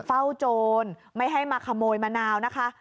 โจรไม่ให้มาขโมยมะนาวนะคะ